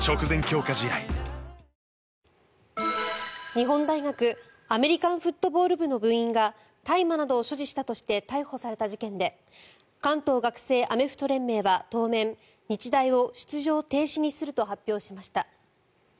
日本大学アメリカンフットボール部の部員が大麻などを所持したとして逮捕された事件で関東学生アメフト連盟は当面日大を出場停止にすると発表しました。